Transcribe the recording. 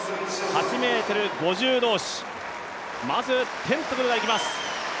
８ｍ５０同士、まずテントグルがいきます。